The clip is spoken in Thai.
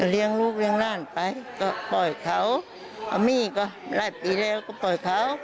เลี้ยงลูกเลี้ยงหลานไปก็ปล่อยเขาเอามี่ก็หลายปีแล้วก็ปล่อยเขา